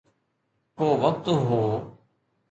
ڪو وقت هو.